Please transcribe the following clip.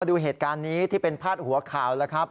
ดูเหตุการณ์นี้ที่เป็นพาดหัวข่าวแล้วครับ